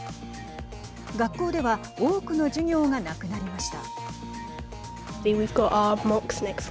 学校では多くの授業がなくなりました。